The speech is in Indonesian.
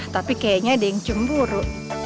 tapi kayaknya ada yang cemburu